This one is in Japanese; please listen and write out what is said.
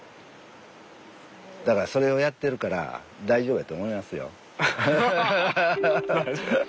だからそれをやってるから大丈夫やと思いますよ。